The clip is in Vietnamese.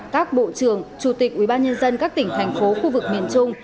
các bộ trưởng chủ tịch ubnd các tỉnh thành phố khu vực miền trung